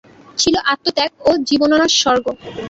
ছিল আত্মেত্যাগ ও জীবননাৎসর্গ।